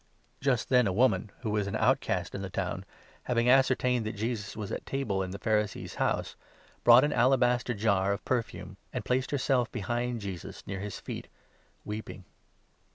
Just then a woman, who 37 22 Isa. 61. i. a Mai. 3. i. LUKE, 7—8. 121 was an outcast in the town, having ascertained that Jesus was at table in the Pharisee's house, brought an alabaster jar of per fume, and placed herself behind Jesus, near his feet, weeping.